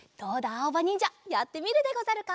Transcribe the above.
あおばにんじゃやってみるでござるか？